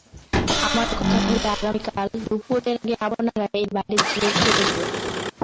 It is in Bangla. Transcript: আমার কথা হল আগামীকাল, দুপুরের আগে আপনারা এই বাড়ি ছেড়ে চলে যাবেন।